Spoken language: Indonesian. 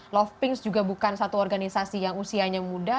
love pinks juga bukan satu organisasi yang usianya muda